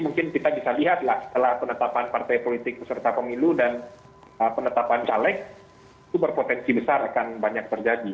mungkin kita bisa lihat lah setelah penetapan partai politik peserta pemilu dan penetapan caleg itu berpotensi besar akan banyak terjadi